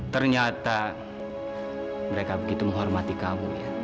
ternyata mereka begitu menghormati kamu